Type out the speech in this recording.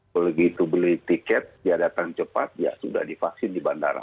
begitu beli tiket dia datang cepat ya sudah divaksin di bandara